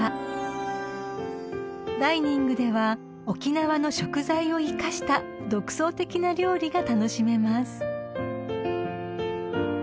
［ダイニングでは沖縄の食材を生かした独創的な料理が楽しめます］